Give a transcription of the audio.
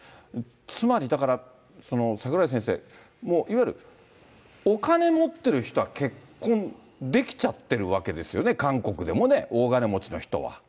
つまり、だから櫻井先生、もういわゆるお金持っている人は結婚できちゃってるわけですよね、そうです。